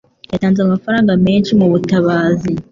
yatanze amafaranga menshi mubutabazi.